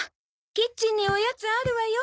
キッチンにおやつあるわよ。